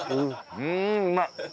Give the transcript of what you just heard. うんうまい！